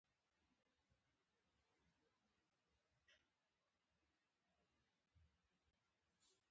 دا سیستم د عامه خدماتو د کیفیت په لوړولو کې رول لري.